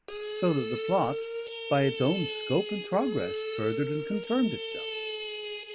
So that the plot, by its own scope and progress, furthered and confirmed itself.